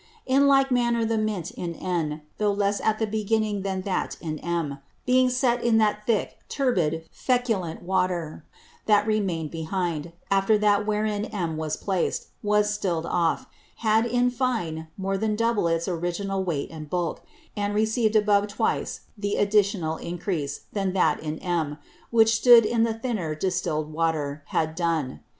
In like manner the Mint in N, though less at the beginning than that in M, being set in that thick, turbid, feculent Water, that remained behind, after that wherein M was placed, was still'd off, had in fine more than double its original weight and bulk; and receiv'd above twice the additional Encrease, than that in M, which stood in the thinner distill'd Water, had done.